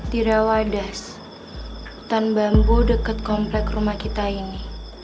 di rawadas hutan bambu dekat komplek rumah kita ini